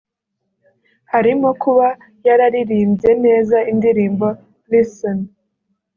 harimo kuba yararirimbye neza indirimbo ‘Listen'